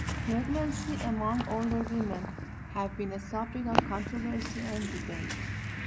Pregnancies among older women have been a subject of controversy and debate.